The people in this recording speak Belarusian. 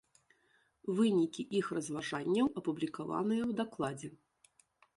Вынікі іх разважанняў апублікаваныя ў дакладзе.